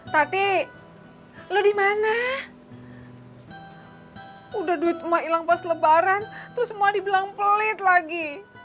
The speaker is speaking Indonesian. tapi lu dimana udah duit mau hilang pas lebaran terus mau dibilang pelit lagi